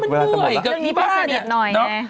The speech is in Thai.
เมื่อยังกับพี่พ่อเนี่ย